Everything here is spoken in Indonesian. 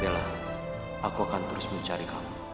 bella aku akan terus mencari kamu